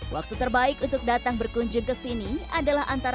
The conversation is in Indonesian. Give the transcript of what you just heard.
waktu terbaik untuk datang berkunjung ke sindang